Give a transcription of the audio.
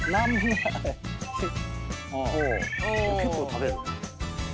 結構食べるね。